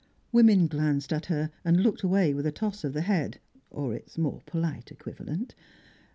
Women glanced at her and looked away with a toss of the head or its more polite equivalent.